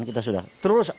ya kita sudah kerjakan